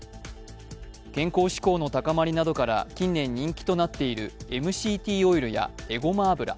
健康志向の高まりなどから近年人気となっているＭＣＴオイルやえごま油。